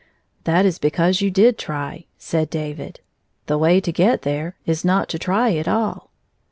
"That is because you did try," said David. "The way to get there is not to try at all."